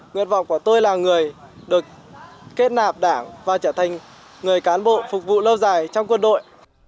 nguyện vọng của tôi là người được kết nạp đảng và trở thành người cán bộ phục vụ lâu dài trong quân đội